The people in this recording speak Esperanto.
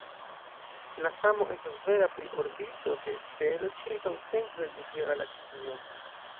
La samo estas vera pri orbito de stelo ĉirkaŭ centro de ĝia galaksio.